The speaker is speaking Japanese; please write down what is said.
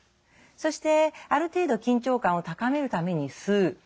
そしてある程度緊張感を高めるために吸う。